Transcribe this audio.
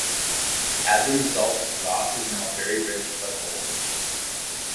As a result, Ross is now very rich but old.